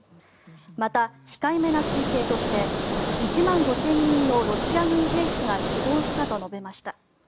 また、控えめな推計として１万５０００人のロシア軍兵士が死亡したと述べました。